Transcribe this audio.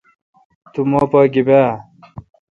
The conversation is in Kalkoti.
تو مہ پاگیبہ اہ؟